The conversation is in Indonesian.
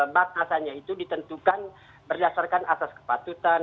batasannya itu ditentukan berdasarkan asas kepatutan